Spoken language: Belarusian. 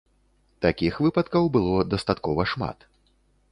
Такіх выпадкаў было дастаткова шмат.